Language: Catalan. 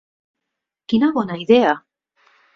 Quina bona idea!